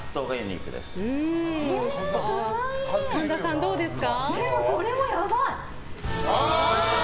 神田さん、どうですか？